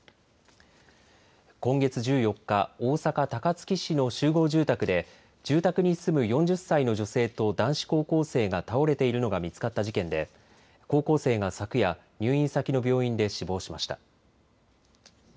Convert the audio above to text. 今月１４日、大阪高槻市の集合住宅で住宅に住む４０歳の女性と男子高校生が倒れているのが見つかった事件で高校生が昨夜、入院先の病院で死亡しました。